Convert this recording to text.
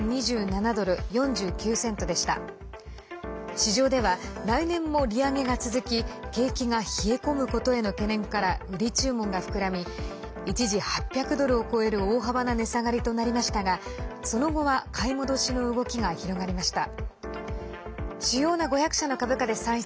市場では来年も利上げが続き景気が冷え込むことへの懸念から売り注文が膨らみ一時、８００ドルを超える大幅な値下がりとなりましたがその後は買い戻しの動きが広がりました。